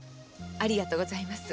ありがとうございます。